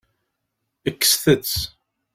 Kkset-tt.